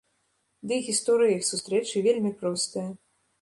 Ды і гісторыя іх сустрэчы вельмі простая.